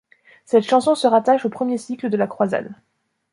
Cette chanson se rattache au premier cycle de la croisade.